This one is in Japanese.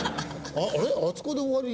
あれあそこで終わり？